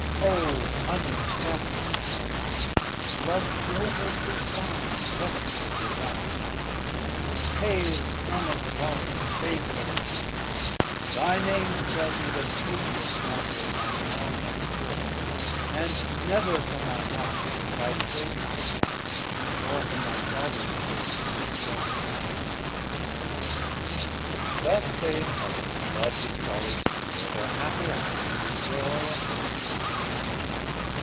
O unexampl'd love, 410 Love no where to be found less then Divine! Hail Son of God, Saviour of Men, thy Name Shall be the copious matter of my Song Henceforth, and never shall my Harp thy praise Forget, nor from thy Fathers praise disjoine. Thus they in Heav'n, above the starry Sphear, Thir happie hours in joy and hymning spent.